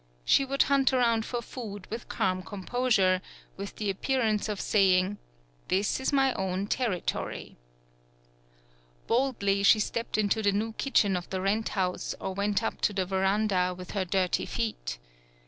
She would hunt around for food with calm composure, with the appearance of saying: "This is my own territory." Boldly she stepped into the new kitchen of the rent house, or went up to the veranda with her dirty feet.